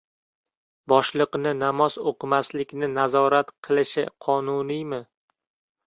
Boshliqning “namoz o‘qimaslikni nazorat” qilishi qonuniymi?